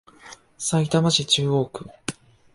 さいたま市中央区